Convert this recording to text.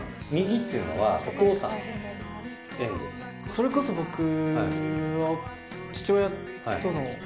それこそ僕は。